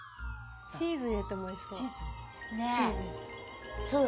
チーズ入れてもおいしそう。